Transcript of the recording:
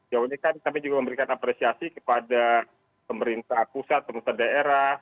jauh ini kan kami juga memberikan apresiasi kepada pemerintah pusat pemerintah daerah